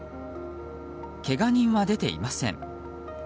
けが人は出ていません。